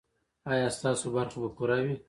ایا ستاسو برخه به پوره وي؟